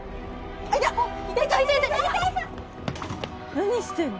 何してんの？